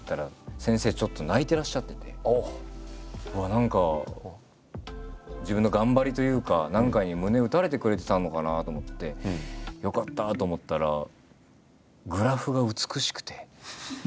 何か自分の頑張りというか何かに胸打たれてくれてたのかなと思ってよかったと思ったら「グラフが美しくて」。